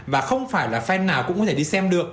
và không phải là fan nào cũng có thể đi xem được